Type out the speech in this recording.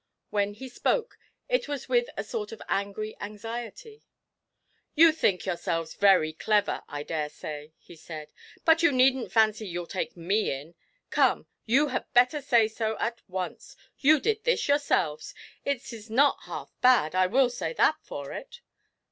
When he spoke it was with a sort of angry anxiety. 'You think yourselves very clever, I dare say,' he said; 'but you needn't fancy you'll take me in! Come, you had better say so at once you did this yourselves? It is not half bad I will say that for it.'